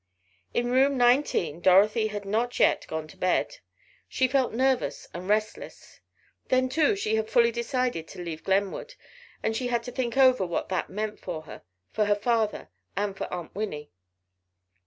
In room nineteen Dorothy had not yet gone to her bed. She felt nervous and restless. Then too, she had fully decided to leave Glenwood and she had to think over what that meant for her, for her father and for Aunt Winnie.